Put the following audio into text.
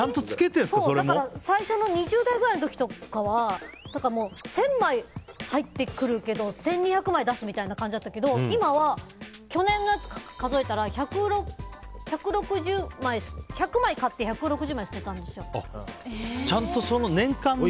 最初の２０代くらいの時とかは１０００枚入ってくるけど１２００枚出してるみたいな感じだけど今は、去年のやつを数えたら１００枚買ってちゃんと年間で。